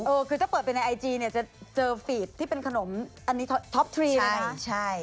เออคือถ้าเปิดไปในไอจีเนี่ยจะเจอฟีดที่เป็นขนมอันนี้ท็อปทรีเลยนะใช่